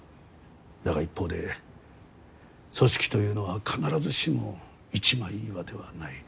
だが一方で組織というのは必ずしも一枚岩ではない。